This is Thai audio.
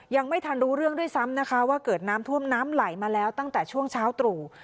ยังไม่ทันรู้เรื่องด้วยซ้ำนะคะว่าเกิดน้ำท่วมน้ำไหลมาแล้วตั้งแต่ช่วงเช้าตรู่